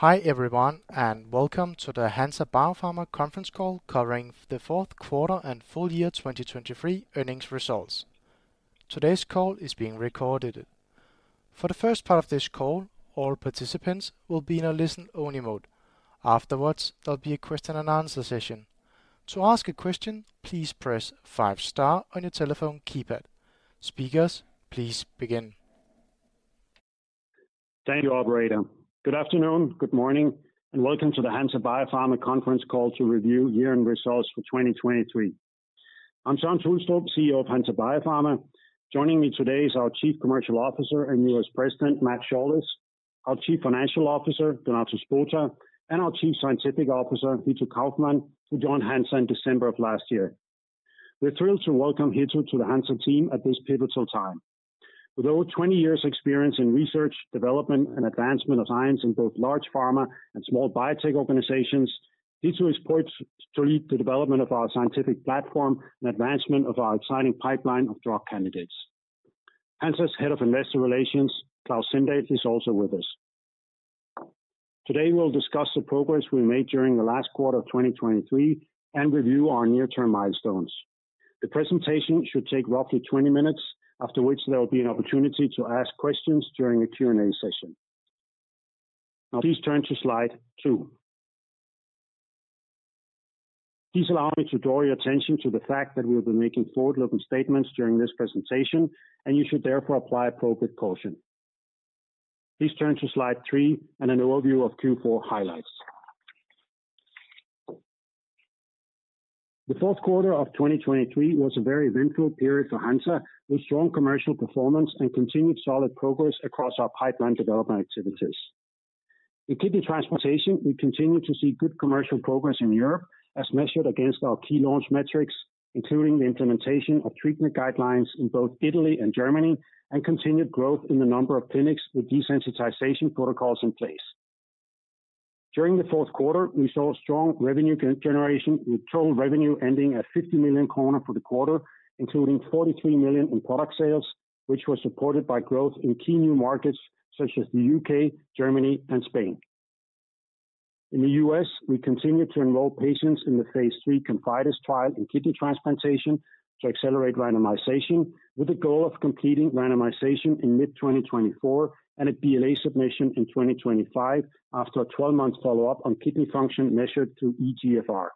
Hi, everyone, and welcome to the Hansa Biopharma conference call covering the fourth quarter and full year 2023 earnings results. Today's call is being recorded. For the first part of this call, all participants will be in a listen-only mode. Afterwards, there'll be a question and answer session. To ask a question, please press five star on your telephone keypad. Speakers, please begin. Thank you, operator. Good afternoon, good morning, and welcome to the Hansa Biopharma conference call to review year-end results for 2023. I'm Søren Tulstrup, CEO of Hansa Biopharma. Joining me today is our Chief Commercial Officer and U.S. President, Matt Shaulis, our Chief Financial Officer, Donato Spota, and our Chief Scientific Officer, Hitto Kaufmann, who joined Hansa in December of last year. We're thrilled to welcome Hitto to the Hansa team at this pivotal time. With over 20 years' experience in research, development, and advancement of science in both large pharma and small biotech organizations, Hitto is poised to lead the development of our scientific platform and advancement of our exciting pipeline of drug candidates. Hansa's Head of Investor Relations, Klaus Sindahl, is also with us. Today, we'll discuss the progress we made during the last quarter of 2023 and review our near-term milestones. The presentation should take roughly 20 minutes, after which there will be an opportunity to ask questions during a Q&A session. Now, please turn to slide two. Please allow me to draw your attention to the fact that we'll be making forward-looking statements during this presentation, and you should therefore apply appropriate caution. Please turn to slide three and an overview of Q4 highlights. The fourth quarter of 2023 was a very eventful period for Hansa, with strong commercial performance and continued solid progress across our pipeline development activities. In kidney transplantation, we continue to see good commercial progress in Europe, as measured against our key launch metrics, including the implementation of treatment guidelines in both Italy and Germany, and continued growth in the number of clinics with desensitization protocols in place. During the fourth quarter, we saw strong revenue generation, with total revenue ending at 50 million for the quarter, including 43 million in product sales, which was supported by growth in key new markets such as the U.K., Germany, and Spain. In the U.S., we continued to enroll patients in the Phase III ConfIdeS trial in kidney transplantation to accelerate randomization, with the goal of completing randomization in mid-2024 and a BLA submission in 2025 after a 12-month follow-up on kidney function measured through eGFR.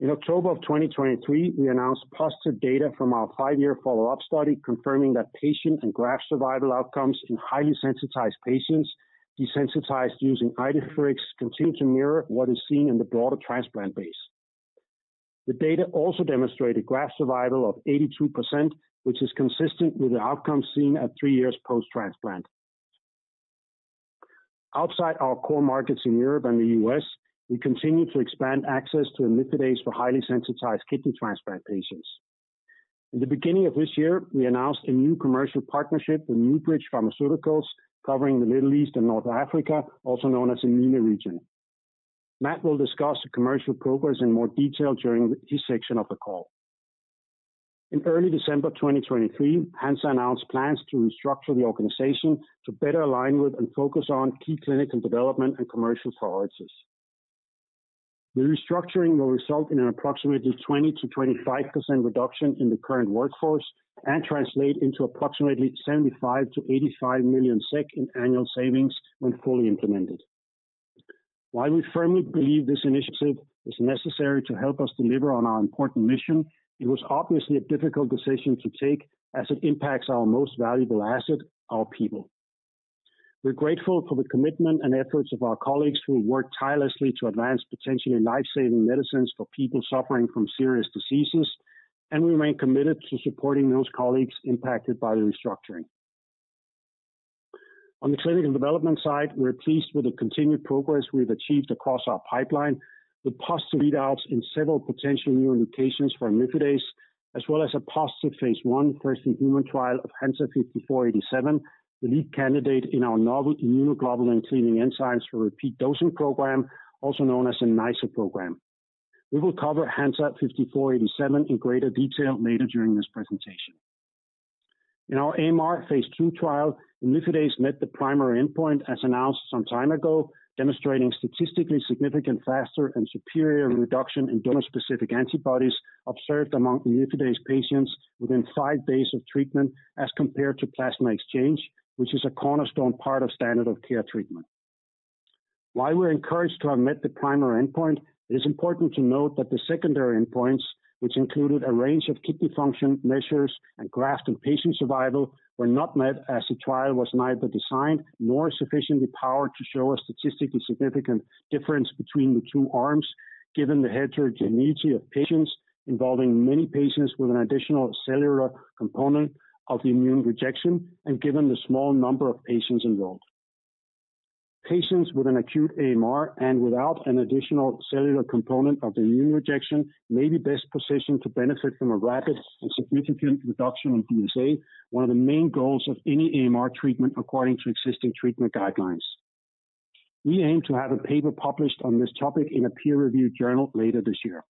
In October of 2023, we announced positive data from our five year follow-up study, confirming that patient and graft survival outcomes in highly sensitized patients desensitized using IDEFIRIX continue to mirror what is seen in the broader transplant base. The data also demonstrated graft survival of 82%, which is consistent with the outcomes seen at 3 years post-transplant. Outside our core markets in Europe and the U.S., we continue to expand access to IDEFIRIX for highly sensitized kidney transplant patients. In the beginning of this year, we announced a new commercial partnership with NewBridge Pharmaceuticals, covering the Middle East and North Africa, also known as the MENA region. Matt will discuss the commercial progress in more detail during his section of the call. In early December 2023, Hansa announced plans to restructure the organization to better align with and focus on key clinical development and commercial priorities. The restructuring will result in an approximately 20%-25% reduction in the current workforce and translate into approximately 75 million-85 million SEK in annual savings when fully implemented. While we firmly believe this initiative is necessary to help us deliver on our important mission, it was obviously a difficult decision to take as it impacts our most valuable asset, our people. We're grateful for the commitment and efforts of our colleagues who work tirelessly to advance potentially life-saving medicines for people suffering from serious diseases, and we remain committed to supporting those colleagues impacted by the restructuring. On the clinical development side, we're pleased with the continued progress we've achieved across our pipeline, with positive readouts in several potential new indications for imlifidase, as well as a positive phase I first in human trial of HNSA-5487, the lead candidate in our novel immunoglobulin cleaving enzymes for repeat dosing program, also known as NiceR program. We will cover HNSA-5487 in greater detail later during this presentation. In our AMR Phase II trial, imlifidase met the primary endpoint, as announced some time ago, demonstrating statistically significant, faster, and superior reduction in donor-specific antibodies observed among imlifidase patients within five days of treatment, as compared to plasma exchange, which is a cornerstone part of standard of care treatment. While we're encouraged to have met the primary endpoint, it is important to note that the secondary endpoints, which included a range of kidney function measures and graft and patient survival, were not met as the trial was neither designed nor sufficiently powered to show a statistically significant difference between the two arms, given the heterogeneity of patients involving many patients with an additional cellular component of the immune rejection and given the small number of patients involved. Patients with an acute AMR and without an additional cellular component of the immune rejection may be best positioned to benefit from a rapid and significant reduction on DSA, one of the main goals of any AMR treatment according to existing treatment guidelines. We aim to have a paper published on this topic in a peer-reviewed journal later this year.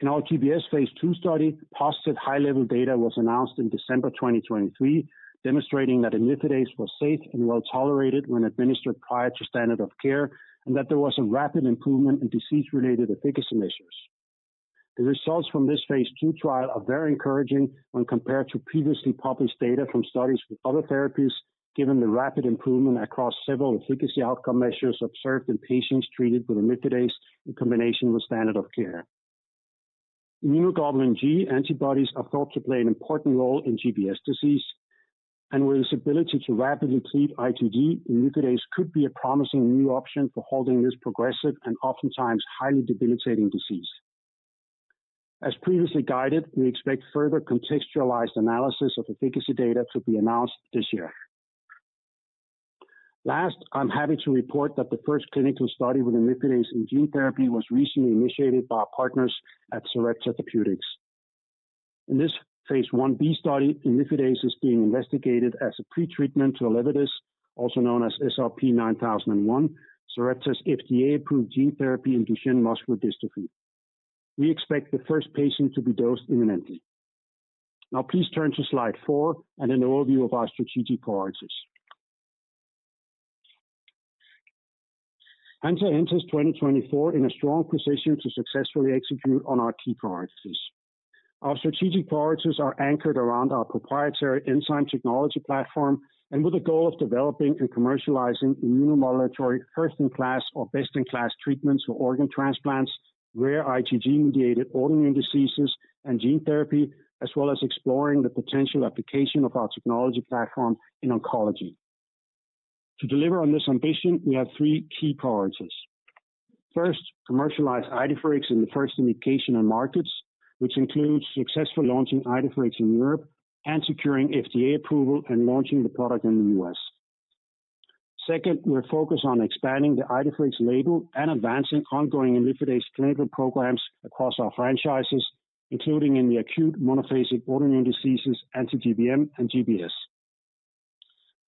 In our GBS Phase II study, positive high-level data was announced in December 2023, demonstrating that imlifidase was safe and well-tolerated when administered prior to standard of care, and that there was a rapid improvement in disease-related efficacy measures. The results from this phase II trial are very encouraging when compared to previously published data from studies with other therapies, given the rapid improvement across several efficacy outcome measures observed in patients treated with imlifidase in combination with standard of care. Immunoglobulin G antibodies are thought to play an important role in GBS disease, and with its ability to rapidly cleave IgG, imlifidase could be a promising new option for halting this progressive and oftentimes highly debilitating disease. As previously guided, we expect further contextualized analysis of efficacy data to be announced this year. Last, I'm happy to report that the first clinical study with imlifidase in gene therapy was recently initiated by our partners at Sarepta Therapeutics. In this Phase 1b study, imlifidase is being investigated as a pretreatment to ELEVIDYS, also known as SRP-9001, Sarepta's FDA-approved gene therapy in Duchenne muscular dystrophy. We expect the first patient to be dosed imminently. Now please turn to slide four and an overview of our strategic priorities. Hansa enters 2024 in a strong position to successfully execute on our key priorities. Our strategic priorities are anchored around our proprietary enzyme technology platform, and with the goal of developing and commercializing immunomodulatory first-in-class or best-in-class treatments for organ transplants, rare IgG-mediated autoimmune diseases, and gene therapy, as well as exploring the potential application of our technology platform in oncology. To deliver on this ambition, we have three key priorities. First, commercialize IDEFIRIX in the first indication and markets, which includes successfully launching IDEFIRIX in Europe and securing FDA approval and launching the product in the US. Second, we are focused on expanding the IDEFIRIX label and advancing ongoing imlifidase clinical programs across our franchises, including in the acute monophasic autoimmune diseases, anti-GBM and GBS.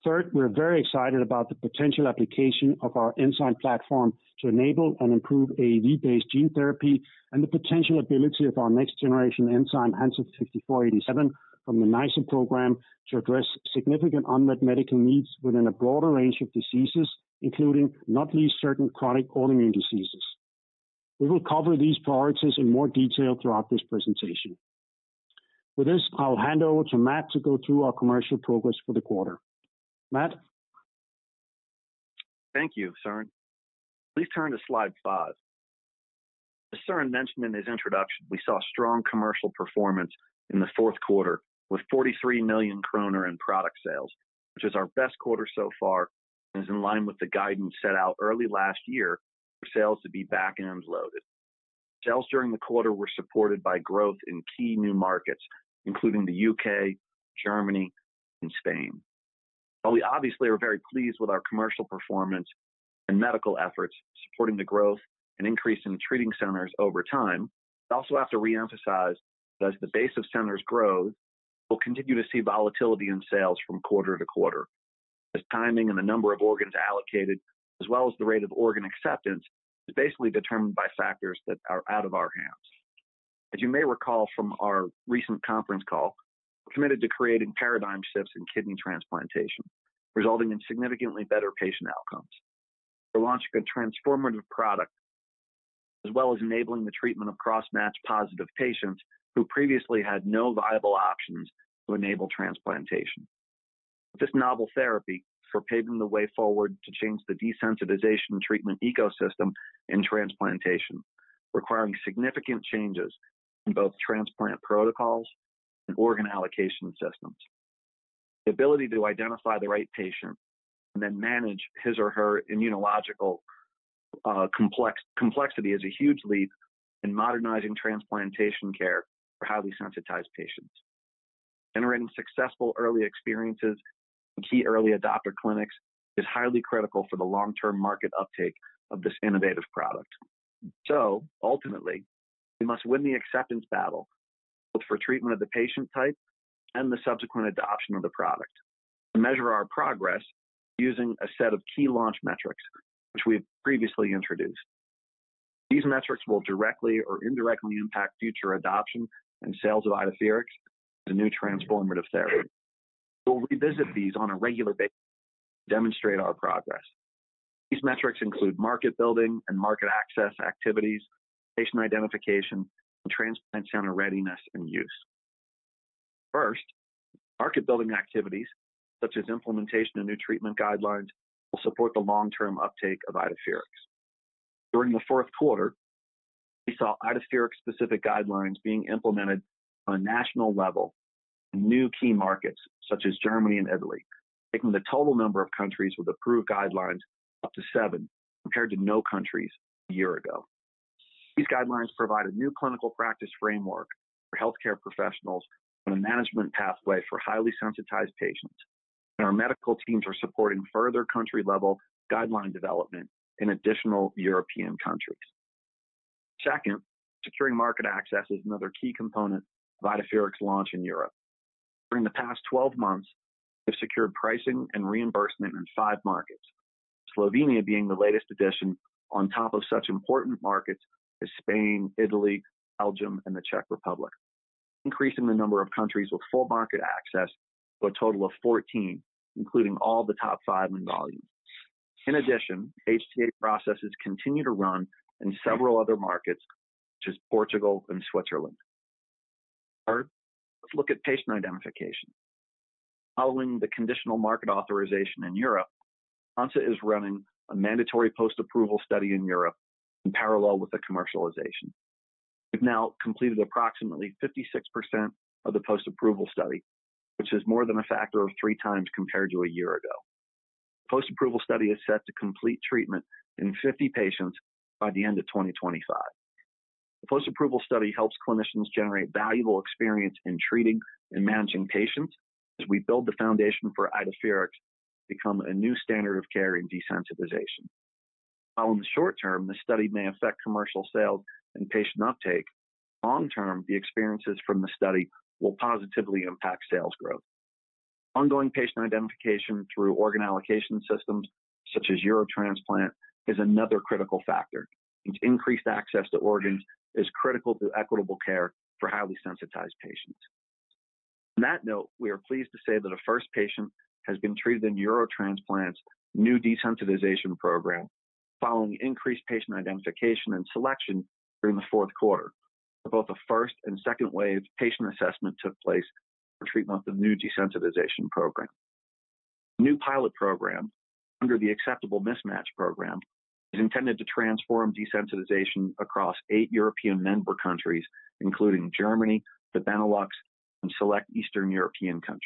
Third, we're very excited about the potential application of our enzyme platform to enable and improve AAV-based gene therapy and the potential ability of our next-generation enzyme, HNSA-5487, from the NiceR program, to address significant unmet medical needs within a broader range of diseases, including not least, certain chronic autoimmune diseases. We will cover these priorities in more detail throughout this presentation. With this, I'll hand over to Matt to go through our commercial progress for the quarter. Matt? Thank you, Søren. Please turn to slide five. As Søren mentioned in his introduction, we saw strong commercial performance in the fourth quarter with 43 million kronor in product sales, which is our best quarter so far and is in line with the guidance set out early last year for sales to be back-end loaded. Sales during the quarter were supported by growth in key new markets, including the UK, Germany, and Spain. While we obviously are very pleased with our commercial performance and medical efforts supporting the growth and increase in treating centers over time, we also have to reemphasize that as the base of centers grows, we'll continue to see volatility in sales from quarter to quarter, as timing and the number of organs allocated, as well as the rate of organ acceptance, is basically determined by factors that are out of our hands. As you may recall from our recent conference call, we're committed to creating paradigm shifts in kidney transplantation, resulting in significantly better patient outcomes. We're launching a transformative product, as well as enabling the treatment of cross-match-positive patients who previously had no viable options to enable transplantation. This novel therapy for paving the way forward to change the desensitization treatment ecosystem in transplantation, requiring significant changes in both transplant protocols and organ allocation systems. The ability to identify the right patient and then manage his or her immunological complexity is a huge leap in modernizing transplantation care for highly sensitized patients. Generating successful early experiences in key early adopter clinics is highly critical for the long-term market uptake of this innovative product. So ultimately, we must win the acceptance battle, both for treatment of the patient type and the subsequent adoption of the product, and measure our progress using a set of key launch metrics, which we've previously introduced. These metrics will directly or indirectly impact future adoption and sales of IDEFIRIX, the new transformative therapy. We'll revisit these on a regular basis to demonstrate our progress. These metrics include market building and market access activities, patient identification, and transplant center readiness and use. First, market building activities, such as implementation of new treatment guidelines, will support the long-term uptake of IDEFIRIX. During the fourth quarter, we saw IDEFIRIX-specific guidelines being implemented on a national level in new key markets such as Germany and Italy, taking the total number of countries with approved guidelines up to seven, compared to no countries a year ago. These guidelines provide a new clinical practice framework for healthcare professionals and a management pathway for highly sensitized patients, and our medical teams are supporting further country-level guideline development in additional European countries. Second, securing market access is another key component of IDEFIRIX launch in Europe. During the past 12 months, we've secured pricing and reimbursement in five markets, Slovenia being the latest addition on top of such important markets as Spain, Italy, Belgium, and the Czech Republic, increasing the number of countries with full market access to a total of 14, including all the top five in volume. In addition, HTA processes continue to run in several other markets, such as Portugal and Switzerland. Third, let's look at patient identification. Following the conditional market authorization in Europe, Hansa is running a mandatory post-approval study in Europe in parallel with the commercialization. We've now completed approximately 56% of the post-approval study, which is more than a factor of three times compared to a year ago. Post-approval study is set to complete treatment in 50 patients by the end of 2025. The post-approval study helps clinicians generate valuable experience in treating and managing patients as we build the foundation for IDEFIRIX to become a new standard of care in desensitization. While in the short term, the study may affect commercial sales and patient uptake, long term, the experiences from the study will positively impact sales growth. Ongoing patient identification through organ allocation systems, such as Eurotransplant, is another critical factor, since increased access to organs is critical to equitable care for highly sensitized patients. On that note, we are pleased to say that a first patient has been treated in Eurotransplant's new desensitization program following increased patient identification and selection during the fourth quarter. Both the first and second wave patient assessment took place for treatment of the new desensitization program. The new pilot program, under the Acceptable Mismatch program, is intended to transform desensitization across eight European member countries, including Germany, the Benelux, and select Eastern European countries.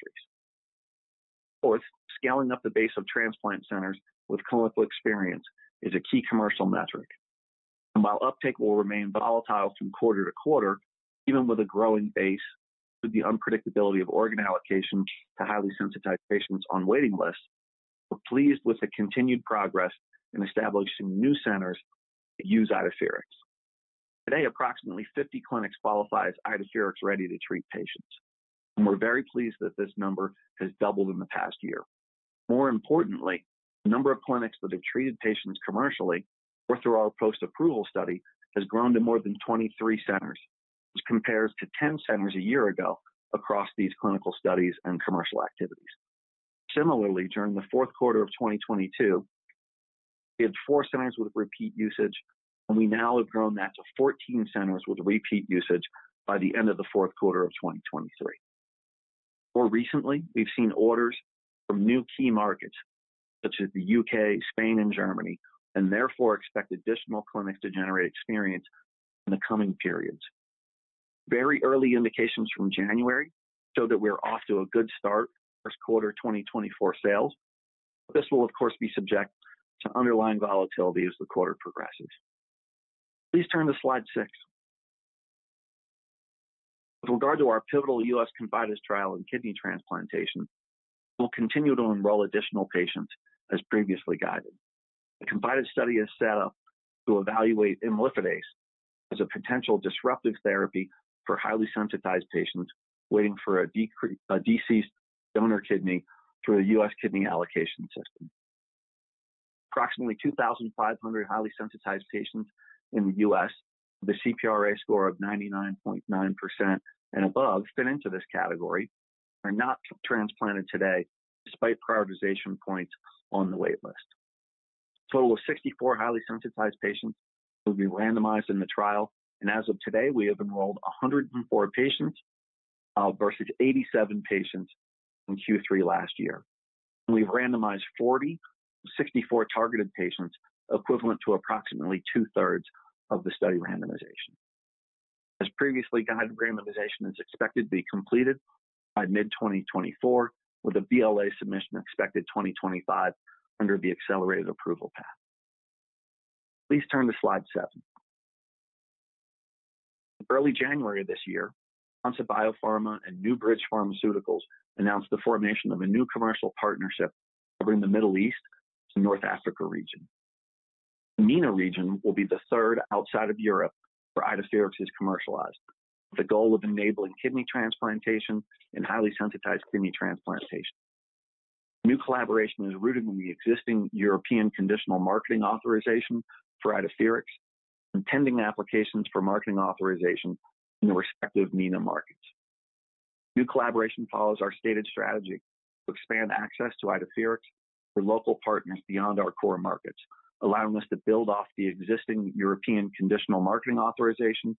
Fourth, scaling up the base of transplant centers with clinical experience is a key commercial metric. And while uptake will remain volatile from quarter to quarter, even with a growing base, with the unpredictability of organ allocation to highly sensitized patients on waiting lists, we're pleased with the continued progress in establishing new centers that use IDEFIRIX. Today, approximately 50 clinics qualify as IDEFIRIX-ready to treat patients, and we're very pleased that this number has doubled in the past year. More importantly, the number of clinics that have treated patients commercially or through our post-approval study has grown to more than 23 centers, which compares to 10 centers a year ago across these clinical studies and commercial activities. Similarly, during the fourth quarter of 2022, we had four centers with repeat usage, and we now have grown that to 14 centers with repeat usage by the end of the fourth quarter of 2023. More recently, we've seen orders from new key markets such as the UK, Spain, and Germany, and therefore expect additional clinics to generate experience in the coming periods. Very early indications from January show that we're off to a good start for first quarter 2024 sales. This will, of course, be subject to underlying volatility as the quarter progresses. Please turn to slide six. With regard to our pivotal U.S. ConfIdeS trial in kidney transplantation, we'll continue to enroll additional patients as previously guided. The ConfIdeS study is set up to evaluate imlifidase as a potential disruptive therapy for highly sensitized patients waiting for a deceased donor kidney through the U.S. kidney allocation system. Approximately 2,500 highly sensitized patients in the U.S. with a CPRA score of 99.9% and above fit into this category, are not transplanted today, despite prioritization points on the wait list. A total of 64 highly sensitized patients will be randomized in the trial, and as of today, we have enrolled 104 patients versus 87 patients in Q3 last year. We've randomized 40 of 64 targeted patients, equivalent to approximately 2/3 of the study randomization. As previously guided, randomization is expected to be completed by mid-2024, with a BLA submission expected in 2025 under the accelerated approval path. Please turn to slide seven. In early January of this year, Hansa Biopharma and NewBridge Pharmaceuticals announced the formation of a new commercial partnership covering the Middle East to North Africa region. The MENA region will be the 3rd outside of Europe, where IDEFIRIX is commercialized, with the goal of enabling kidney transplantation and highly sensitized kidney transplantation. New collaboration is rooted in the existing European conditional marketing authorization for IDEFIRIX and pending applications for marketing authorization in the respective MENA markets. New collaboration follows our stated strategy to expand access to IDEFIRIX for local partners beyond our core markets, allowing us to build off the existing European conditional marketing authorization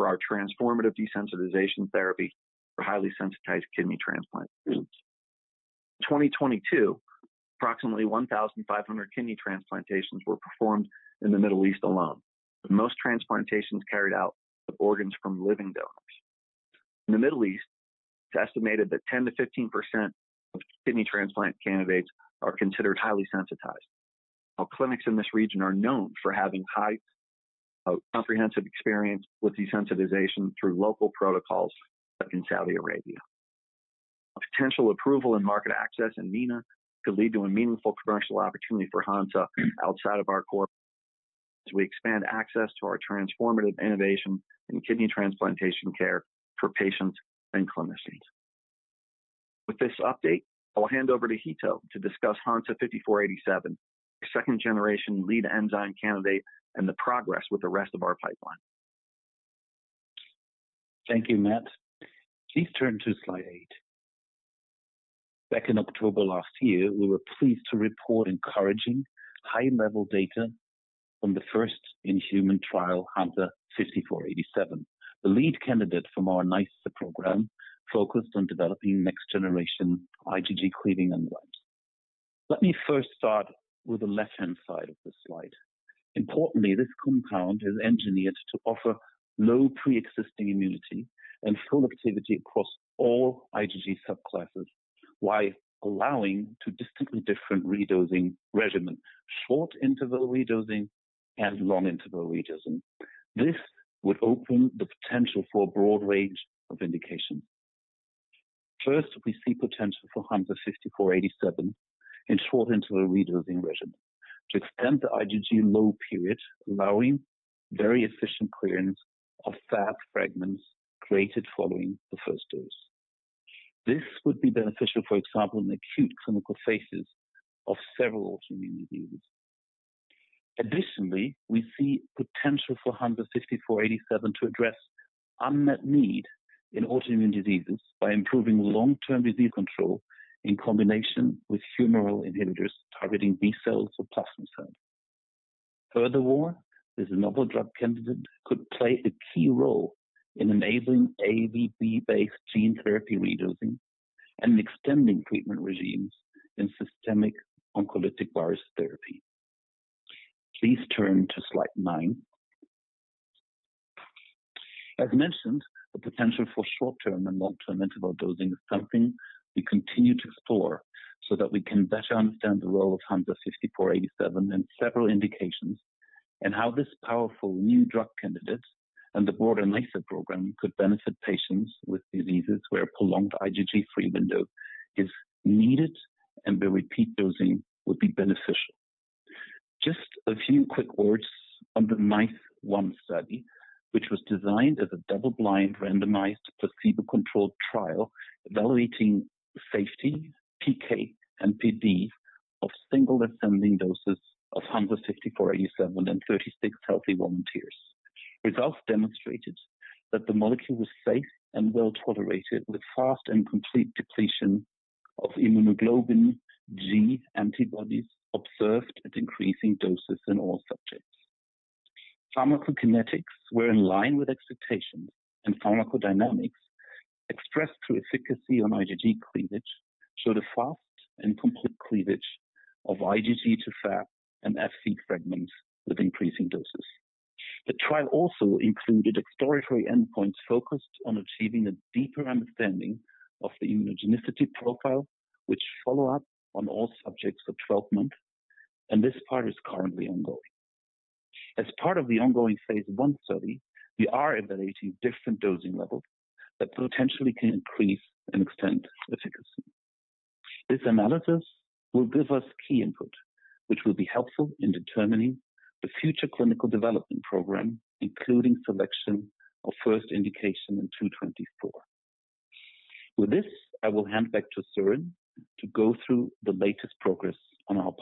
for our transformative desensitization therapy for highly sensitized kidney transplant patients. In 2022, approximately 1,500 kidney transplantations were performed in the Middle East alone, with most transplantations carried out of organs from living donors. In the Middle East, it's estimated that 10%-15% of kidney transplant candidates are considered highly sensitized, while clinics in this region are known for having high, comprehensive experience with desensitization through local protocols, like in Saudi Arabia. A potential approval and market access in MENA could lead to a meaningful commercial opportunity for Hansa outside of our core markets as we expand access to our transformative innovation in kidney transplantation care for patients and clinicians. With this update, I will hand over to Hitto to discuss HNSA-5487, a second-generation lead enzyme candidate, and the progress with the rest of our pipeline. Thank you, Matt. Please turn to slide eight. Back in October last year, we were pleased to report encouraging high-level data from the first in-human trial, HNSA-5487, the lead candidate from our NiceR program focused on developing next-generation IgG-cleaving enzymes. Let me first start with the left-hand side of this slide. Importantly, this compound is engineered to offer low pre-existing immunity and full activity across all IgG subclasses, while allowing two distinctly different re-dosing regimens: short-interval re-dosing and long-interval re-dosing. This would open the potential for a broad range of indications. First, we see potential for HNSA-5487 in short-interval re-dosing regimen to extend the IgG low period, allowing very efficient clearance of F(ab) fragments created following the first dose. This would be beneficial, for example, in acute clinical phases of several autoimmune diseases. Additionally, we see potential for HNSA-5487 to address unmet need in autoimmune diseases by improving long-term disease control in combination with humoral inhibitors targeting B cells or plasma cells. Furthermore, this novel drug candidate could play a key role in enabling AAV-based gene therapy re-dosing and extending treatment regimes in systemic oncolytic virus therapy. Please turn to slide nine. As mentioned, the potential for short-term and long-term interval dosing is something we continue to explore so that we can better understand the role of HNSA-5487 in several indications, and how this powerful new drug candidate and the broader NiceR program could benefit patients with diseases where a prolonged IgG-free window is needed and where repeat dosing would be beneficial. Just a few quick words on the NiceR 1 study, which was designed as a double-blind, randomized, placebo-controlled trial evaluating safety, PK, and PD of single ascending doses of HNSA-5487 in 36 healthy volunteers. Results demonstrated that the molecule was safe and well-tolerated, with fast and complete depletion of immunoglobulin G antibodies observed at increasing doses in all subjects. Pharmacokinetics were in line with expectations, and pharmacodynamics expressed through efficacy on IgG cleavage showed a fast and complete cleavage of IgG to F(ab) and Fc fragments with increasing doses. The trial also included exploratory endpoints focused on achieving a deeper understanding of the immunogenicity profile, with follow-up on all subjects for 12 months, and this part is currently ongoing. As part of the ongoing phase I study, we are evaluating different dosing levels that potentially can increase and extend efficacy. This analysis will give us key input, which will be helpful in determining the future clinical development program, including selection of first indication in 2024. With this, I will hand back to Søren to go through the latest progress on our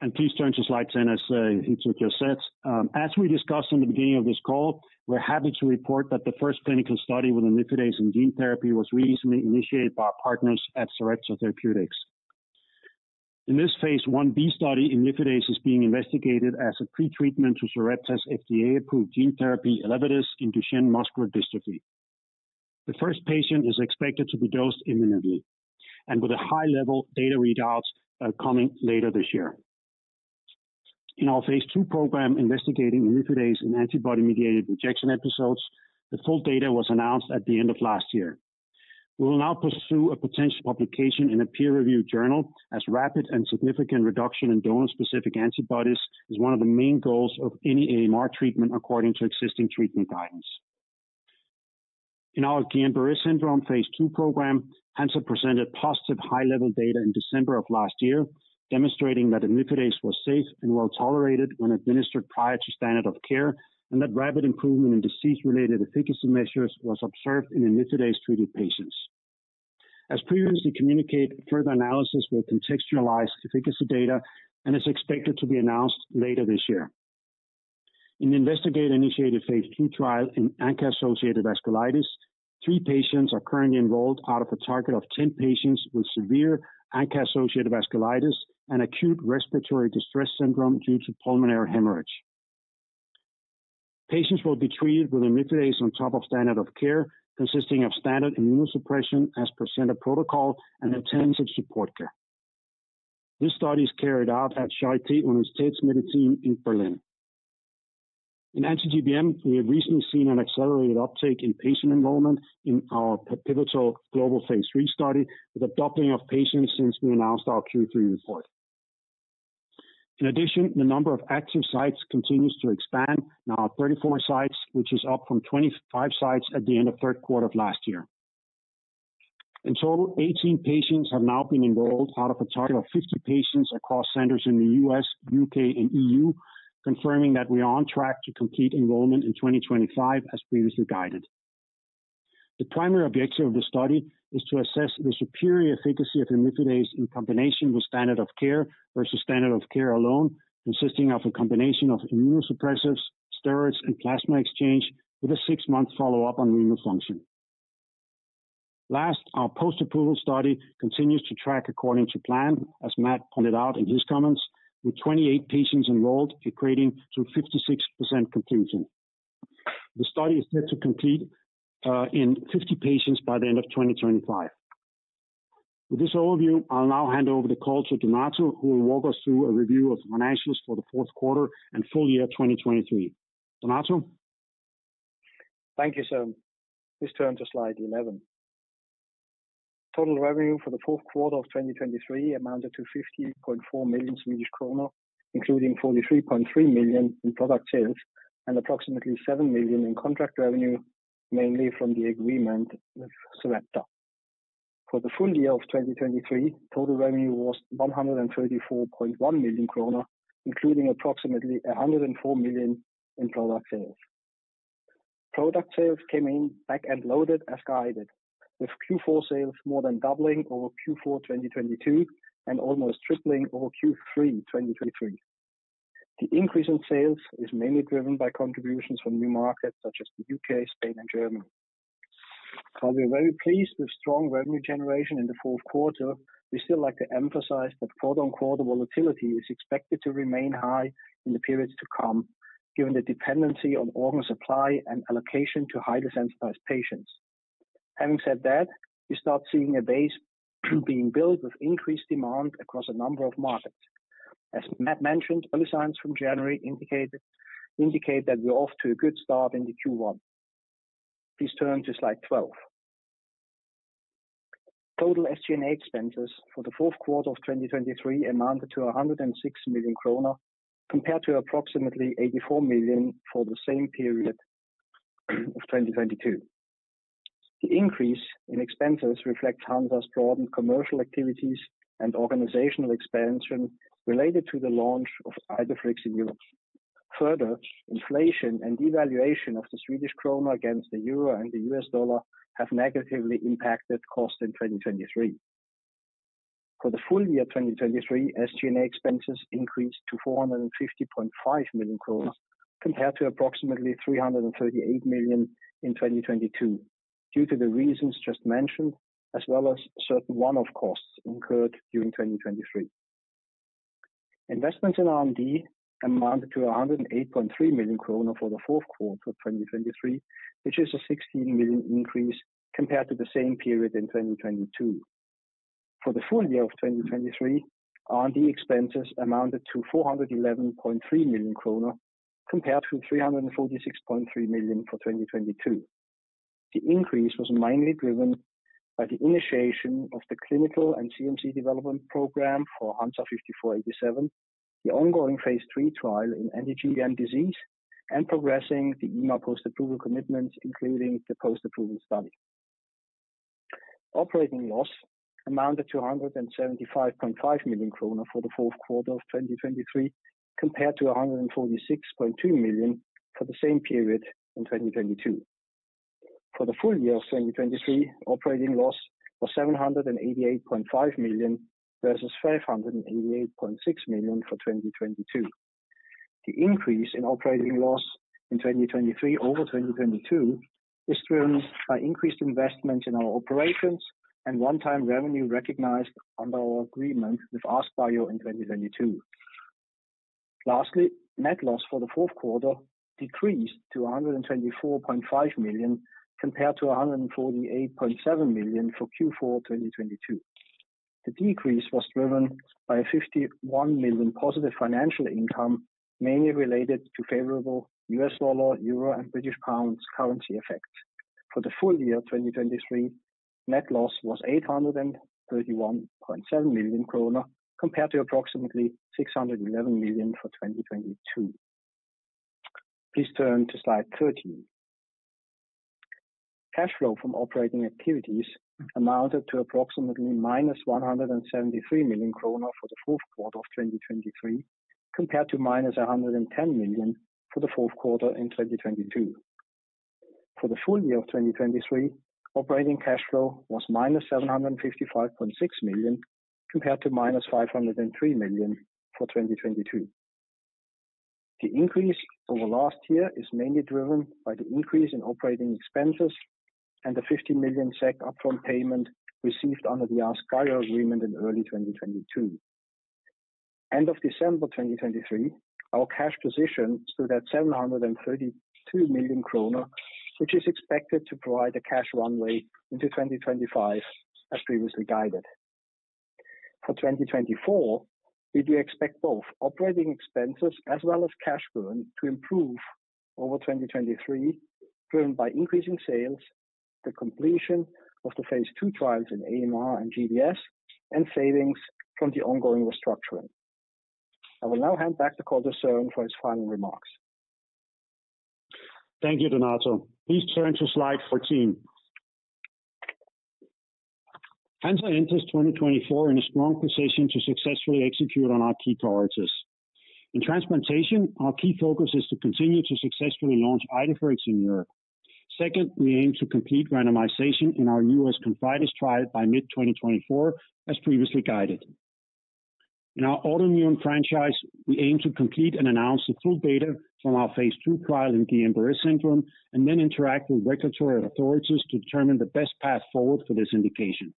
pipeline. Please turn to slide 10. Thank you, Hitto. Please turn to slide 10, as Hitto just said. As we discussed in the beginning of this call, we're happy to report that the first clinical study with imlifidase gene therapy was recently initiated by our partners at Sarepta Therapeutics. In this phase 1b study, imlifidase is being investigated as a pre-treatment to Sarepta's FDA-approved gene therapy, ELEVIDYS, in Duchenne muscular dystrophy. The first patient is expected to be dosed imminently, and with a high level of data readouts coming later this year. In our phase II program investigating imlifidase in antibody-mediated rejection episodes, the full data was announced at the end of last year. We will now pursue a potential publication in a peer-reviewed journal, as rapid and significant reduction in donor-specific antibodies is one of the main goals of any AMR treatment, according to existing treatment guidance. In our Guillain-Barré Syndrome phase II program, Hansa presented positive high-level data in December of last year, demonstrating that imlifidase was safe and well-tolerated when administered prior to standard of care, and that rapid improvement in disease-related efficacy measures was observed in imlifidase-treated patients. As previously communicated, further analysis will contextualize efficacy data, and it's expected to be announced later this year. In the investigator-initiated phase II trial in ANCA-associated vasculitis, three patients are currently enrolled out of a target of 10 patients with severe ANCA-associated vasculitis and acute respiratory distress syndrome due to pulmonary hemorrhage. Patients will be treated with imlifidase on top of standard of care, consisting of standard immunosuppression as per center protocol and intensive support care. This study is carried out at Charité – Universitätsmedizin Berlin. In anti-GBM, we have recently seen an accelerated uptake in patient enrollment in our pivotal global phase III study, with a doubling of patients since we announced our Q3 report. In addition, the number of active sites continues to expand, now 34 sites, which is up from 25 sites at the end of third quarter of last year. In total, 18 patients have now been enrolled out of a total of 50 patients across centers in the U.S., U.K., and EU., confirming that we are on track to complete enrollment in 2025, as previously guided. The primary objective of the study is to assess the superior efficacy of imlifidase in combination with standard of care, versus standard of care alone, consisting of a combination of immunosuppressants, steroids, and plasma exchange, with a six month follow-up on immune function. Last, our post-approval study continues to track according to plan, as Matt pointed out in his comments, with 28 patients enrolled, equating to 56% completion. The study is set to complete in 50 patients by the end of 2025. With this overview, I'll now hand over the call to Donato, who will walk us through a review of financials for the fourth quarter and full year 2023. Donato? Thank you, Søren. Please turn to slide 11. Total revenue for the fourth quarter of 2023 amounted to 50.4 million Swedish kronor, including 43.3 million in product sales and approximately 7 million in contract revenue, mainly from the agreement with Selecta. For the full year of 2023, total revenue was 134.1 million kronor, including approximately 104 million in product sales. Product sales came in back-end loaded as guided, with Q4 sales more than doubling over Q4 2022, and almost tripling over Q3 2023. The increase in sales is mainly driven by contributions from new markets such as the UK, Spain, and Germany. While we are very pleased with strong revenue generation in the fourth quarter, we still like to emphasize that quarter-on-quarter volatility is expected to remain high in the periods to come, given the dependency on organ supply and allocation to highly sensitized patients. Having said that, we start seeing a base being built with increased demand across a number of markets. As Matt mentioned, early signs from January indicated, indicate that we're off to a good start into Q1. Please turn to slide 12. Total SG&A expenses for the fourth quarter of 2023 amounted to 106 million kronor, compared to approximately 84 million for the same period, of 2022. The increase in expenses reflects Hansa's broadened commercial activities and organizational expansion related to the launch of IDEFIRIX in Europe. Further, inflation and devaluation of the Swedish krona against the euro and the US dollar have negatively impacted costs in 2023. For the full year 2023, SG&A expenses increased to 450.5 million kronor, compared to approximately 338 million in 2022, due to the reasons just mentioned, as well as certain one-off costs incurred during 2023. Investments in R&D amounted to 108.3 million kronor for the fourth quarter of 2023, which is a 16 million increase compared to the same period in 2022. For the full year of 2023, R&D expenses amounted to 411.3 million kronor, compared to 346.3 million for 2022. The increase was mainly driven by the initiation of the clinical and CMC development program for HNSA-5487, the ongoing phase III trial in anti-GBM disease, and progressing the EMA post-approval commitments, including the post-approval study. Operating loss amounted to 175.5 million kronor for the fourth quarter of 2023, compared to 146.2 million for the same period in 2022. For the full year of 2023, operating loss was 788.5 million versus 588.6 million for 2022. The increase in operating loss in 2023 over 2022 is driven by increased investment in our operations and one-time revenue recognized under our agreement with AskBio in 2022. Lastly, net loss for the fourth quarter decreased to 124.5 million, compared to 148.7 million for Q4 2022. The decrease was driven by 51 million positive financial income, mainly related to favorable U.S. dollar, euro, and British pounds currency effects. For the full year 2023, net loss was 831.7 million kronor, compared to approximately 611 million for 2022. Please turn to slide 13. Cash flow from operating activities amounted to approximately -173 million krona for the fourth quarter of 2023, compared to -110 million for the fourth quarter in 2022. For the full year of 2023, operating cash flow was -755.6 million, compared to -503 million for 2022. The increase over last year is mainly driven by the increase in operating expenses and the 50 million SEK upfront payment received under the AskBio agreement in early 2022. End of December 2023, our cash position stood at 732 million kronor, which is expected to provide a cash runway into 2025, as previously guided. For 2024, we do expect both operating expenses as well as cash burn to improve over 2023, driven by increasing sales and the completion of the phase II trials in AMR and GBS, and savings from the ongoing restructuring. I will now hand back to Søren for his final remarks. Thank you, Donato. Please turn to slide 14. Hansa enters 2024 in a strong position to successfully execute on our key priorities. In transplantation, our key focus is to continue to successfully launch IDEFIRIX in Europe. Second, we aim to complete randomization in our US ConfIdeS trial by mid-2024, as previously guided. In our autoimmune franchise, we aim to complete and announce the full data from our phase II trial in Guillain-Barré Syndrome, and then interact with regulatory authorities to determine the best path forward for this indication.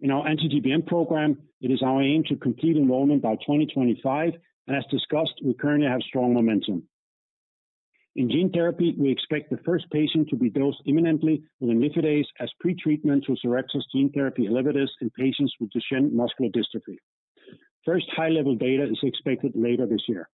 In our anti-GBM program, it is our aim to complete enrollment by 2025, and as discussed, we currently have strong momentum. In gene therapy, we expect the first patient to be dosed imminently with imlifidase as pretreatment to Sarepta's gene therapy, ELEVIDYS, in patients with Duchenne muscular dystrophy. First high-level data is expected later this year.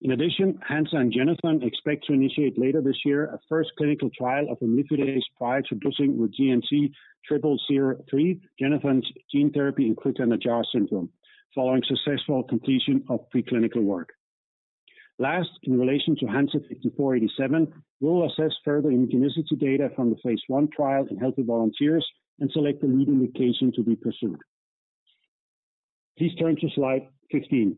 In addition, Hansa and Genethon expect to initiate later this year, a first clinical trial of imlifidase prior to dosing with GNT-003, Genethon's gene therapy in Crigler-Najjar syndrome, following successful completion of preclinical work. Last, in relation to HNSA-5487, we'll assess further immunogenicity data from the phase I trial in healthy volunteers and select the leading indication to be pursued. Please turn to slide 15.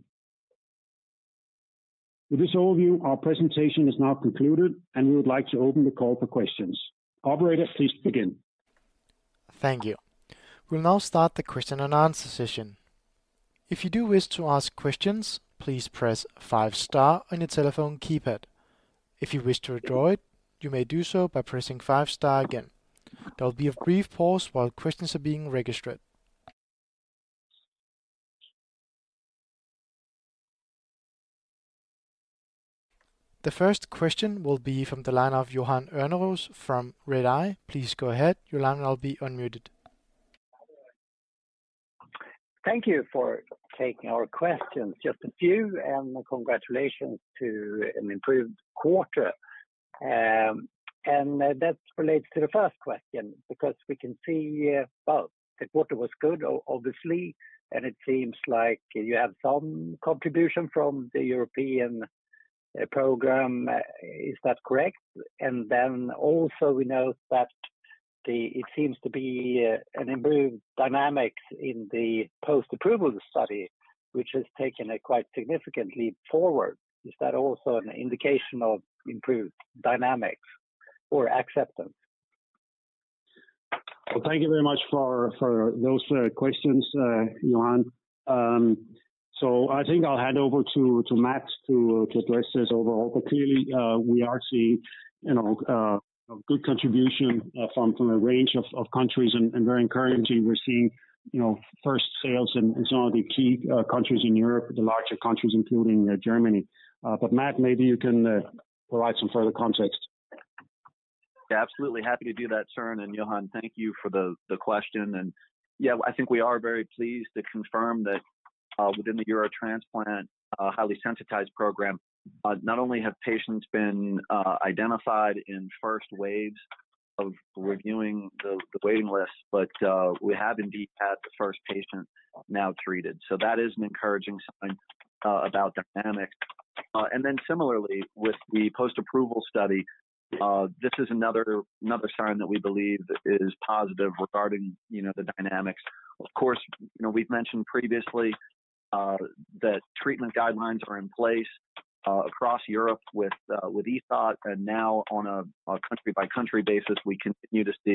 With this overview, our presentation is now concluded, and we would like to open the call for questions. Operator, please begin. Thank you. We'll now start the question and answer session. If you do wish to ask questions, please press five star on your telephone keypad. If you wish to withdraw it, you may do so by pressing five star again. There will be a brief pause while questions are being registered. The first question will be from the line of Johan Unnérus from Redeye. Please go ahead. Your line will now be unmuted. Thank you for taking our questions, just a few, and congratulations to an improved quarter. And that relates to the first question, because we can see, well, the quarter was good, obviously, and it seems like you have some contribution from the European program. Is that correct? And then also, we note that the... It seems to be an improved dynamics in the post-approval study, which has taken a quite significant leap forward. Is that also an indication of improved dynamics or acceptance? Well, thank you very much for those questions, Johan. So I think I'll hand over to Matt to address this overall. But clearly, we are seeing, you know, a good contribution from a range of countries, and very encouraging, we're seeing, you know, first sales in some of the key countries in Europe, the larger countries, including Germany. But Matt, maybe you can provide some further context. Yeah, absolutely happy to do that, Søren. And Johan, thank you for the question. And yeah, I think we are very pleased to confirm that, within the Eurotransplant highly sensitized program, not only have patients been identified in first waves of reviewing the waiting list, but we have indeed had the first patient now treated. So that is an encouraging sign about dynamics. And then similarly, with the post-approval study, this is another sign that we believe is positive regarding, you know, the dynamics. Of course, you know, we've mentioned previously, that treatment guidelines are in place, across Europe with ESOT, and now on a country-by-country basis, we continue to see,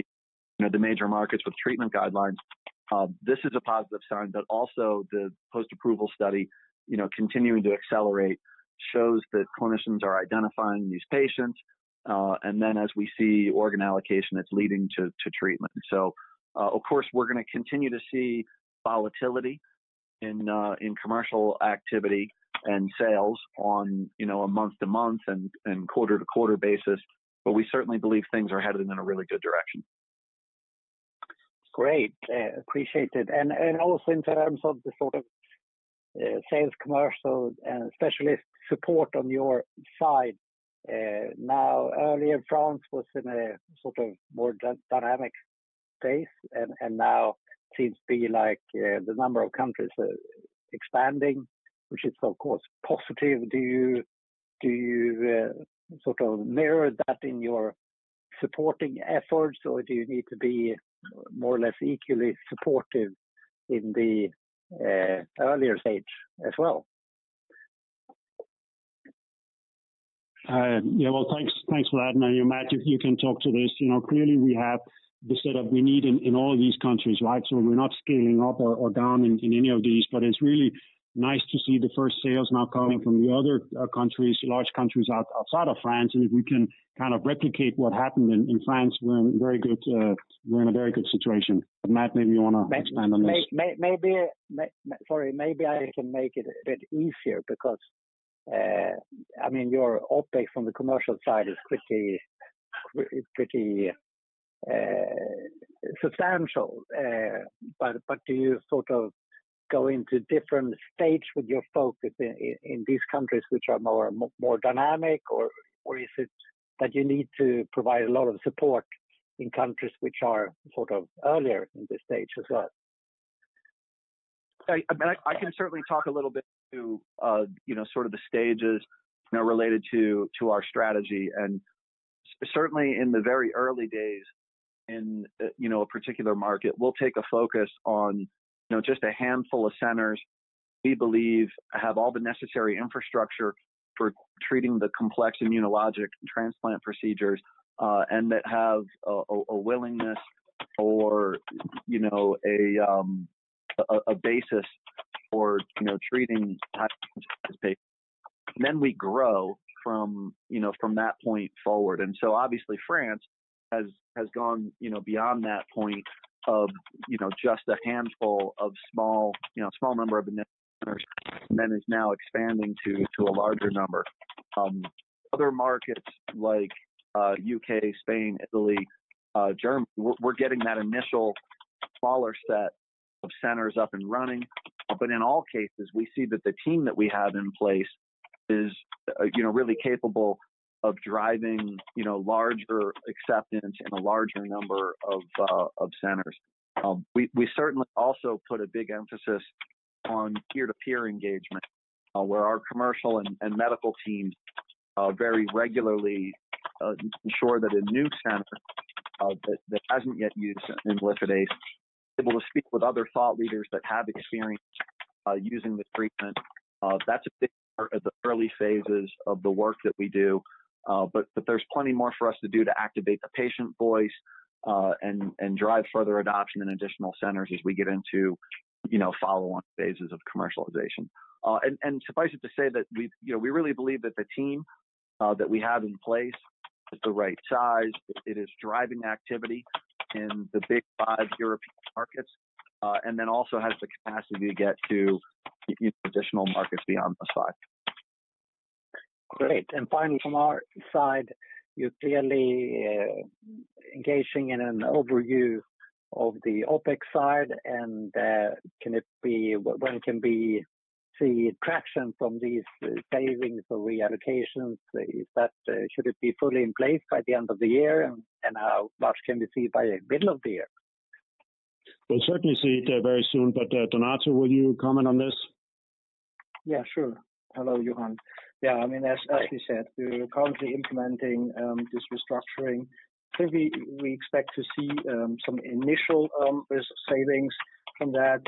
you know, the major markets with treatment guidelines. This is a positive sign, but also the post-approval study, you know, continuing to accelerate, shows that clinicians are identifying these patients, and then as we see organ allocation, it's leading to treatment. So, of course, we're going to continue to see volatility in commercial activity and sales on, you know, a month-to-month and quarter-to-quarter basis, but we certainly believe things are headed in a really good direction. Great, appreciate it. And, and also in terms of the sort of, sales, commercial, and specialist support on your side, now, earlier, France was in a sort of more dynamic space, and, and now seems to be like, the number of countries are expanding, which is, of course, positive. Do you, do you, sort of mirror that in your supporting efforts, or do you need to be more or less equally supportive in the, earlier stage as well? Yeah, well, thanks. Thanks for that. Now, Matt, if you can talk to this. You know, clearly, we have the set up we need in all of these countries, right? So we're not scaling up or down in any of these, but it's really nice to see the first sales now coming from the other countries, large countries outside of France. If we can kind of replicate what happened in France, we're in a very good situation. But Matt, maybe you want to expand on this. Maybe, sorry, maybe I can make it a bit easier because I mean, your update from the commercial side is pretty, pretty substantial. But do you sort of go into different stages with your focus in these countries which are more dynamic? Or is it that you need to provide a lot of support in countries which are sort of earlier in the stage as well? I can certainly talk a little bit to, you know, sort of the stages, you know, related to, to our strategy. And certainly in the very early days in, you know, a particular market, we'll take a focus on, you know, just a handful of centers we believe have all the necessary infrastructure for treating the complex immunologic transplant procedures, and that have a willingness or, you know, a basis for, you know, treating patients. Then we grow from, you know, from that point forward. And so obviously, France has gone, you know, beyond that point of, you know, just a handful of small, you know, small number of centers and then is now expanding to, to a larger number. Other markets like U.K., Spain, Italy, Germany, we're getting that initial smaller set of centers up and running. But in all cases, we see that the team that we have in place is, you know, really capable of driving, you know, larger acceptance in a larger number of centers. We certainly also put a big emphasis on peer-to-peer engagement, where our commercial and medical teams very regularly ensure that a new center that hasn't yet used imlifidase is able to speak with other thought leaders that have experience using the treatment. That's a big part of the early phases of the work that we do. But there's plenty more for us to do to activate the patient voice, and drive further adoption in additional centers as we get into, you know, follow-on phases of commercialization. Suffice it to say that we, you know, we really believe that the team that we have in place is the right size. It is driving activity in the big five European markets, and then also has the capacity to get to additional markets beyond the five. Great. And finally, from our side, you're clearly engaging in an overview of the OpEx side and what can be the traction from these savings or reallocations? Is that... Should it be fully in place by the end of the year, and how much can be seen by the middle of the year? We'll certainly see it very soon, but Donato, will you comment on this? Yeah, sure. Hello, Johan. Yeah, I mean, as you said, we're currently implementing this restructuring. So we expect to see some initial savings from that,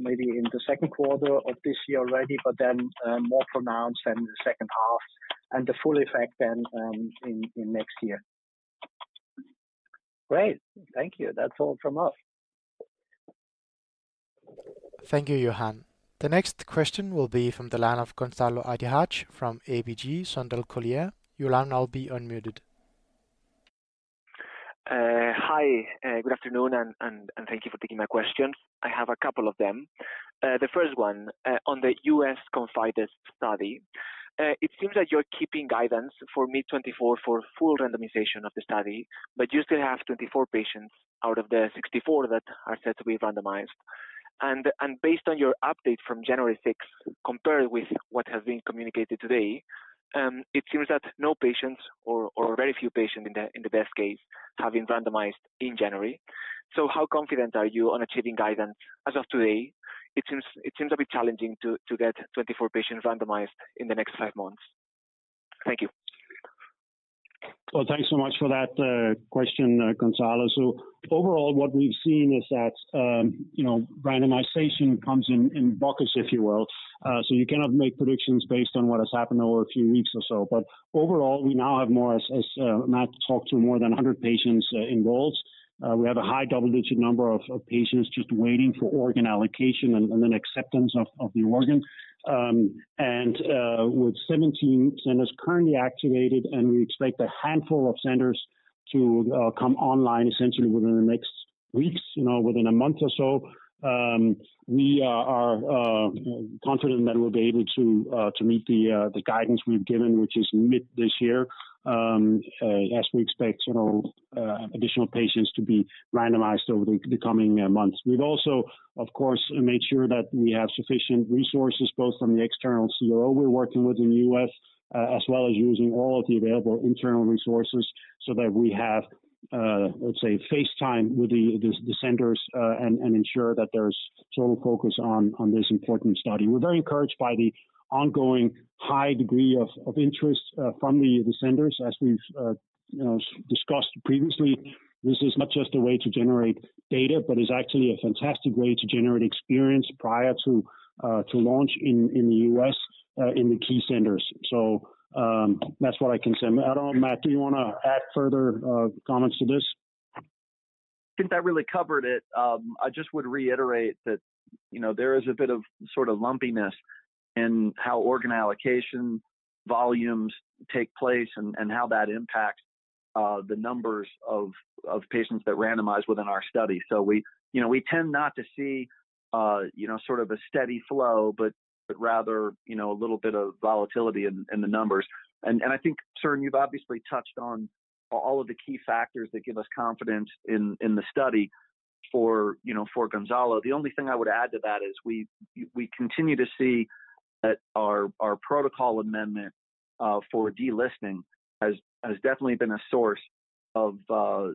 maybe in the second quarter of this year already, but then more pronounced in the second half and the full effect then in next year. Great. Thank you. That's all from us. Thank you, Johan. The next question will be from the line of Gonzalo Artiach from ABG Sundal Collier. You'll now be unmuted. Hi, good afternoon, and thank you for taking my questions. I have a couple of them. The first one, on the U.S. ConfIdeS study. It seems like you're keeping guidance for mid-2024 for full randomization of the study, but you still have 24 patients out of the 64 that are set to be randomized. And based on your update from January 6, compared with what has been communicated today, it seems that no patients or very few patients in the best case have been randomized in January. So how confident are you on achieving guidance as of today? It seems a bit challenging to get 24 patients randomized in the next five months. Thank you. Well, thanks so much for that question, Gonzalo. So overall, what we've seen is that, you know, randomization comes in buckets, if you will. So you cannot make predictions based on what has happened over a few weeks or so. But overall, we now have more, as Matt talked to, more than 100 patients enrolled. We have a high double-digit number of patients just waiting for organ allocation and then acceptance of the organ. And, with 17 centers currently activated, and we expect a handful of centers to come online essentially within the next weeks, you know, within a month or so, we are confident that we'll be able to meet the guidance we've given, which is mid this year. As we expect, you know, additional patients to be randomized over the coming months. We've also, of course, made sure that we have sufficient resources, both from the external CRO we're working with in the U.S., as well as using all of the available internal resources so that we have, let's say, face time with the centers, and ensure that there's total focus on this important study. We're very encouraged by the ongoing high degree of interest from the centers. As we've, you know, discussed previously, this is not just a way to generate data, but is actually a fantastic way to generate experience prior to launch in the U.S., in the key centers. So, that's what I can say. I don't know, Matt, do you wanna add further comments to this? I think that really covered it. I just would reiterate that, you know, there is a bit of sort of lumpiness in how organ allocation volumes take place and how that impacts the numbers of patients that randomize within our study. So we, you know, we tend not to see you know, sort of a steady flow, but rather, you know, a little bit of volatility in the numbers. And I think, Søren, you've obviously touched on all of the key factors that give us confidence in the study. For, you know, for Gonzalo, the only thing I would add to that is we continue to see that our protocol amendment for delisting has definitely been a source of,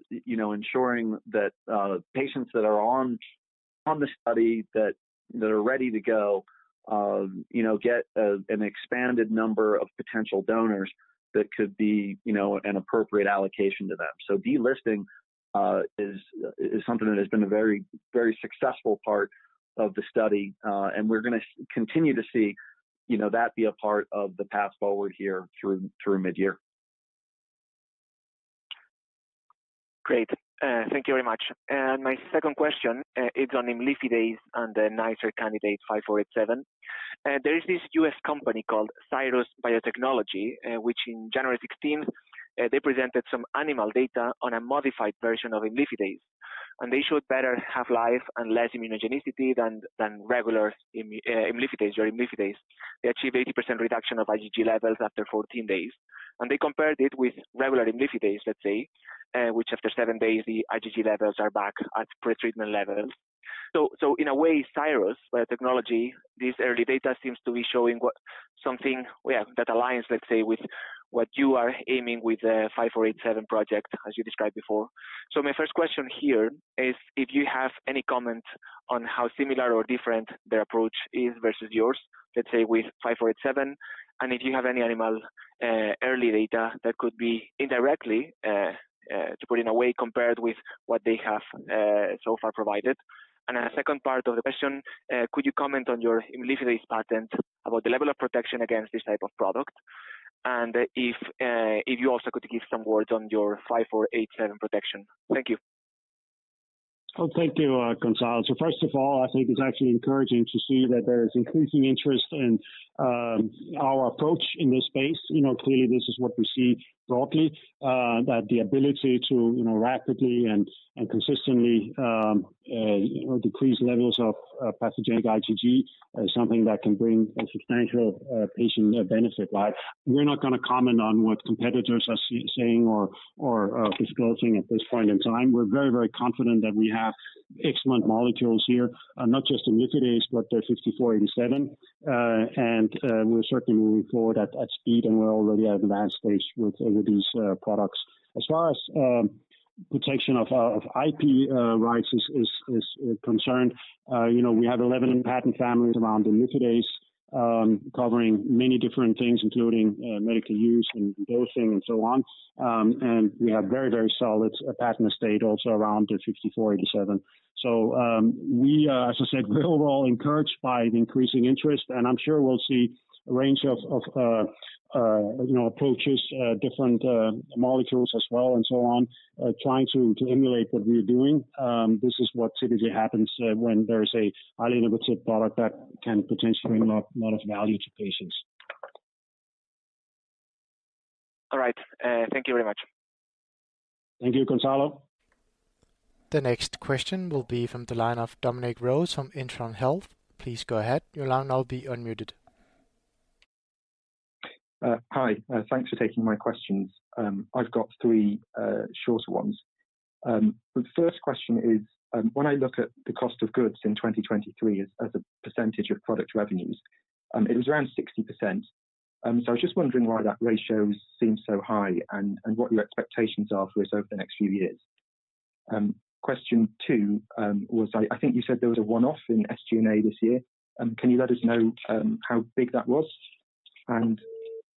you know, ensuring that patients that are on the study that are ready to go, you know, get an expanded number of potential donors that could be, you know, an appropriate allocation to them. So delisting is something that has been a very, very successful part of the study. And we're going to continue to see, you know, that be a part of the path forward here through midyear. Great. Thank you very much. And my second question is on the imlifidase and the NiceR candidate 5487. There is this U.S. company called Cyrus Biotechnology, which in January 16th, they presented some animal data on a modified version of imlifidase. And they showed better half-life and less immunogenicity than regular imlifidase. They achieved 80% reduction of IgG levels after 14 days, and they compared it with regular imlifidase, let's say, which after seven days, the IgG levels are back at pretreatment levels. So in a way, Cyrus Biotechnology, this early data seems to be showing what... something, yeah, that aligns, let's say, with what you are aiming with the 5487 project, as you described before. So my first question here is if you have any comment on how similar or different their approach is versus yours, let's say with 5487, and if you have any animal early data that could be indirectly to put in a way compared with what they have so far provided. And a second part of the question, could you comment on your imlifidase patent about the level of protection against this type of product? And if if you also could give some words on your 5487 protection. Thank you. Well, thank you, Gonzalo. So first of all, I think it's actually encouraging to see that there is increasing interest in our approach in this space. You know, clearly this is what we see broadly that the ability to, you know, rapidly and consistently decrease levels of pathogenic IgG is something that can bring a substantial patient benefit by. We're not gonna comment on what competitors are saying or disclosing at this point in time. We're very, very confident that we have excellent molecules here, not just imlifidase, but the HNSA-5487. And we're certainly moving forward at speed, and we're already at advanced stage with all of these products. As far as protection of IP rights is concerned, you know, we have 11 patent families around imlifidase, covering many different things, including medical use and dosing and so on. And we have very, very solid patent estate also around the HNSA-5487. So, we are... As I said, we're all encouraged by the increasing interest, and I'm sure we'll see a range of you know approaches, different molecules as well and so on, trying to emulate what we're doing. This is what typically happens when there's a highly innovative product that can potentially unlock a lot of value to patients. All right. Thank you very much. Thank you, Gonzalo. The next question will be from the line of Dominic Rose from Intron Health. Please go ahead. Your line will now be unmuted. Hi, thanks for taking my questions. I've got three short ones. The first question is, when I look at the cost of goods in 2023 as a percentage of product revenues, it was around 60%. So I was just wondering why that ratio seems so high and what your expectations are for it over the next few years. Question two, I think you said there was a one-off in SG&A this year. Can you let us know how big that was? And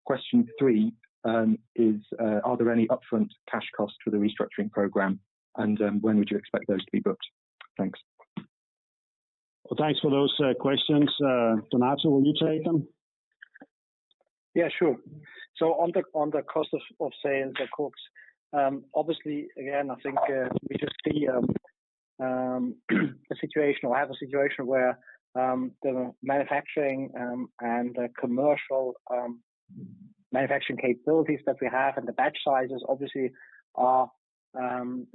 question three is, are there any upfront cash costs for the restructuring program, and when would you expect those to be booked? Thanks. Well, thanks for those questions. Donato, will you take them? Yeah, sure. So on the cost of sales, the COGS, obviously, again, I think, we just see a situation or have a situation where the manufacturing and the commercial manufacturing capabilities that we have and the batch sizes obviously are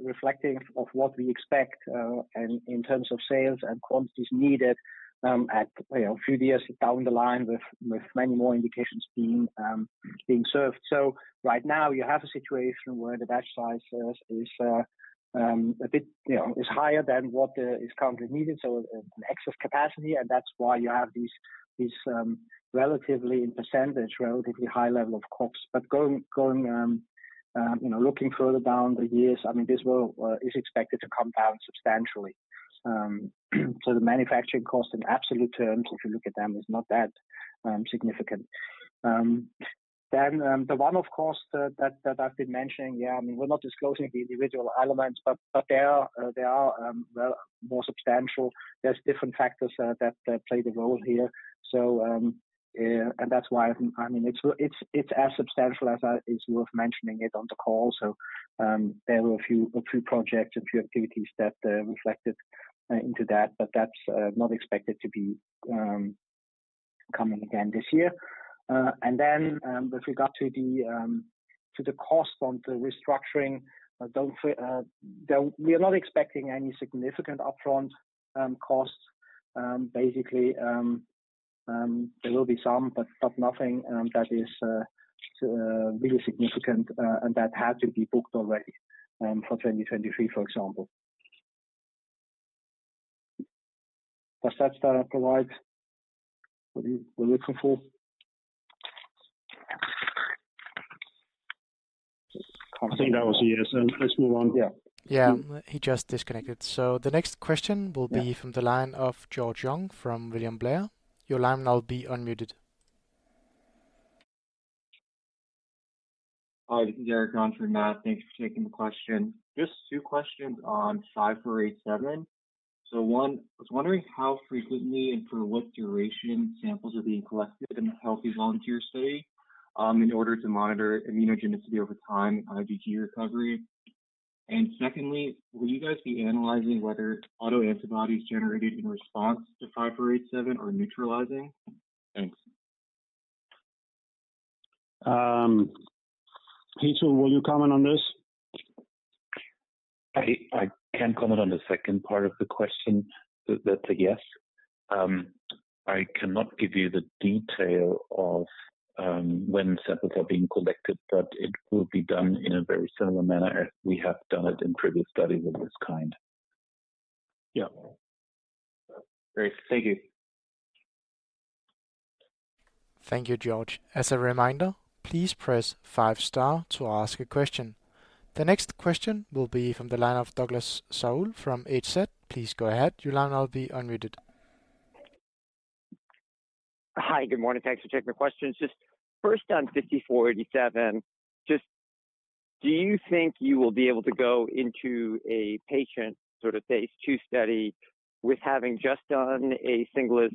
reflecting of what we expect and in terms of sales and quantities needed at, you know, a few years down the line with many more indications being served. So right now, you have a situation where the batch sizes is a bit, you know, is higher than what is currently needed, so an excess capacity, and that's why you have these relatively in percentage, relatively high level of COGS. But you know, looking further down the years, I mean, this will is expected to come down substantially. So the manufacturing cost in absolute terms, if you look at them, is not that significant. Then the one, of course, that I've been mentioning, yeah, I mean, we're not disclosing the individual elements, but they are well, more substantial. There's different factors that play the role here. And that's why, I mean, it's as substantial as is worth mentioning it on the call. So there were a few projects, a few activities that reflected into that, but that's not expected to be coming again this year. And then, with regard to the cost on the restructuring, we are not expecting any significant upfront costs. Basically, ... There will be some, but nothing that is really significant and that had to be booked already for 2023, for example. Does that provide what you were looking for? I think that was a yes, and let's move on. Yeah. Yeah. He just disconnected. So the next question- Yeah. Will be from the line of George Young from William Blair. Your line now will be unmuted. Hi, this is George on for Matt. Thanks for taking the question. Just two questions on HNSA-5487. So one, I was wondering how frequently and for what duration samples are being collected in a healthy volunteer study in order to monitor immunogenicity over time, IgG recovery? And secondly, will you guys be analyzing whether autoantibodies generated in response to HNSA-5487 are neutralizing? Thanks. Hitto, will you comment on this? I can comment on the second part of the question. That, that's a yes. I cannot give you the detail of, when samples are being collected, but it will be done in a very similar manner as we have done it in previous studies of this kind. Yeah. Great. Thank you. Thank you, George. As a reminder, please press five star to ask a question. The next question will be from the line of Douglas Tsao from H.C. Wainwright & Co. Please go ahead. Your line now will be unmuted. Hi, good morning. Thanks for taking the questions. Just first on 5487, just do you think you will be able to go into a patient sort of phase II study with having just done a singular,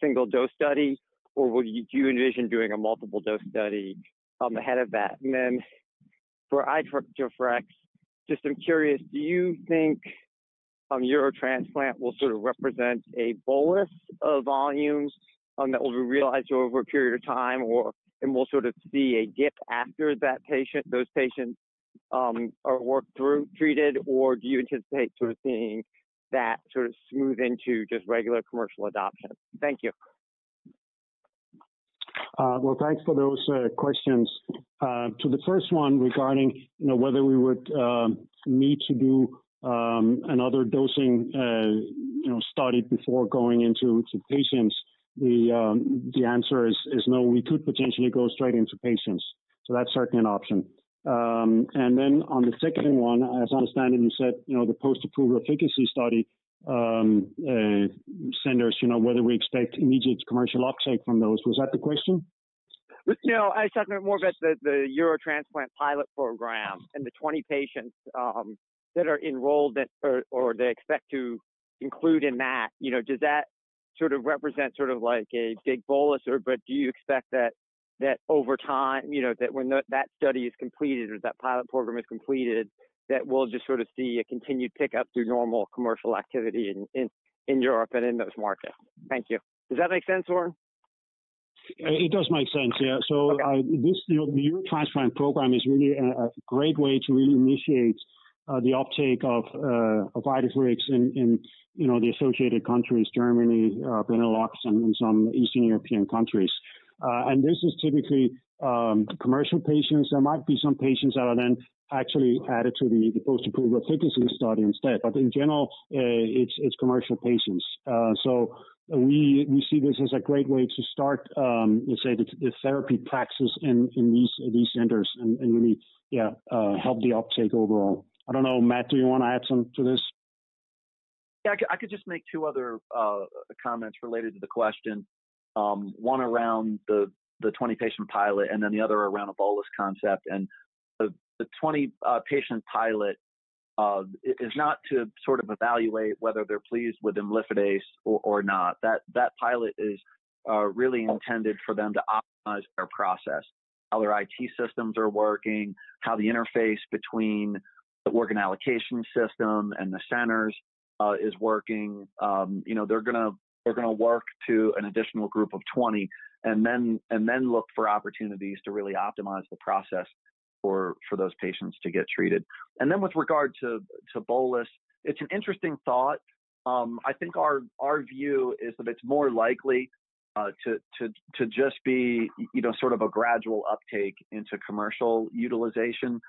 single-dose study? Or will you- do you envision doing a multiple dose study ahead of that? And then for IDEFIRIX, just I'm curious, do you think Eurotransplant will sort of represent a bolus of volumes that will be realized over a period of time, or, and we'll sort of see a dip after that patient- those patients are worked through treated, or do you anticipate sort of seeing that sort of smooth into just regular commercial adoption? Thank you. Well, thanks for those questions. To the first one regarding, you know, whether we would need to do another dosing, you know, study before going into the patients, the answer is no, we could potentially go straight into patients. So that's certainly an option. And then on the second one, as I understand it, you said, you know, the post-approval efficacy study centers, you know, whether we expect immediate commercial uptake from those. Was that the question? No, I was talking more about the Eurotransplant pilot program and the 20 patients that are enrolled or they expect to include in that. You know, does that sort of represent sort of like a big bolus, or but do you expect that over time, you know, that when that study is completed or that pilot program is completed, that we'll just sort of see a continued pickup through normal commercial activity in Europe and in those markets? Thank you. Does that make sense, Søren? It does make sense, yeah. Okay. So, this, you know, the Eurotransplant program is really a great way to really initiate the uptake of IDEFIRIX in, you know, the associated countries, Germany, Benelux and some Eastern European countries. And this is typically commercial patients. There might be some patients that are then actually added to the post-approval efficacy study instead. But in general, it's commercial patients. So we see this as a great way to start, let's say the therapy practices in these centers and really, yeah, help the uptake overall. I don't know, Matt, do you want to add some to this? Yeah, I could, I could just make two other comments related to the question. One around the 20-patient pilot and then the other around a bolus concept. And the 20-patient pilot is not to sort of evaluate whether they're pleased with imlifidase or not. That pilot is really intended for them to optimize their process, how their IT systems are working, how the interface between the organ allocation system and the centers is working. You know, they're gonna work to an additional group of 20 and then look for opportunities to really optimize the process for those patients to get treated. And then with regard to bolus, it's an interesting thought. I think our view is that it's more likely to just be, you know, sort of a gradual uptake into commercial utilization.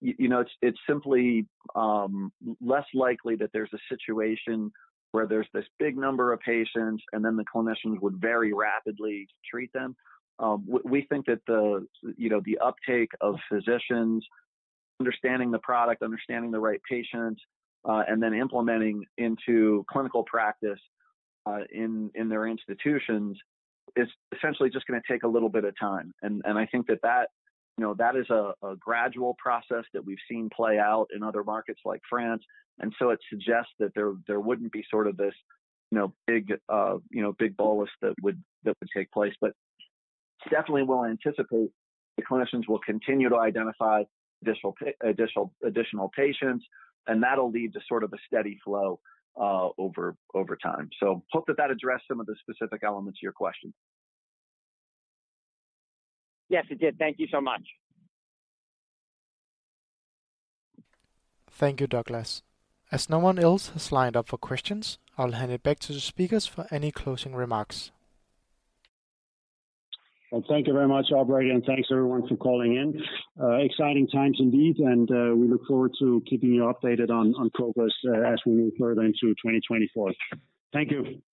You know, it's simply less likely that there's a situation where there's this big number of patients, and then the clinicians would very rapidly treat them. We think that the, you know, the uptake of physicians understanding the product, understanding the right patients, and then implementing into clinical practice in their institutions, is essentially just gonna take a little bit of time. And I think that that, you know, that is a gradual process that we've seen play out in other markets like France. And so it suggests that there wouldn't be sort of this, you know, big, big bolus that would take place. But definitely we'll anticipate the clinicians will continue to identify additional patients, and that'll lead to sort of a steady flow over time. So hope that that addressed some of the specific elements to your question. Yes, it did. Thank you so much. Thank you, Douglas. As no one else has lined up for questions, I'll hand it back to the speakers for any closing remarks. Well, thank you very much, operator, and thanks, everyone, for calling in. Exciting times indeed, and we look forward to keeping you updated on progress as we move further into 2024. Thank you.